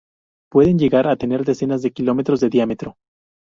Pueden llegar a tener decenas de kilómetros de diámetro.